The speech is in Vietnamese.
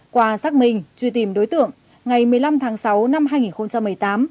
qua xác minh truy tìm đối tượng ngày một mươi năm tháng sáu năm hai nghìn một mươi tám